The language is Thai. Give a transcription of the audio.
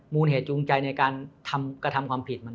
มูลเหตุจูงใจในการกระทำความผิด